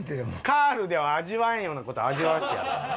カールでは味わえんような事味わわせてやる。